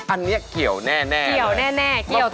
อันนี้เกี่ยวแน่เกี่ยวแน่เกี่ยว